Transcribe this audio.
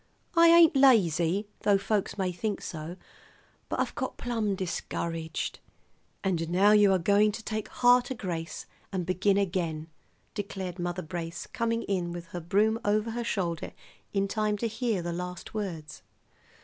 "I ain't lazy, though folks may think so; but I've got plum discouraged." "And now you are going to take heart o' grace and begin again," declared Mother Brace, coming in with her broom over her shoulder in time to hear the last words.